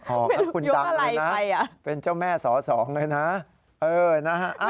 ออกนะคุณตั้งเลยนะเป็นเจ้าแม่สอสองเลยนะเออนะฮะอ่ะ